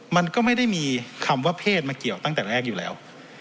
มันก็ไม่ได้มีคำว่าเพศมาเกี่ยวตั้งแต่แรกอยู่แล้ว